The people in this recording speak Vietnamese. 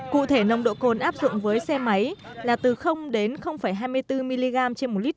cụ thể nồng độ cồn áp dụng với xe máy là từ đến hai mươi bốn mg trên một lít